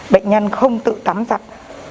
bệnh nhân không tự tắm giặt